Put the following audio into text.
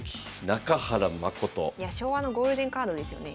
昭和のゴールデンカードですよね。